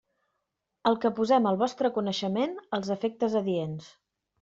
El que posem al vostre coneixement als efectes adients.